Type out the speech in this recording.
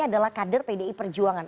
adalah kader pdi perjuangan